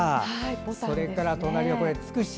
それから隣はつくし？